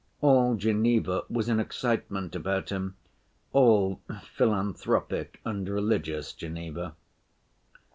All Geneva was in excitement about him—all philanthropic and religious Geneva.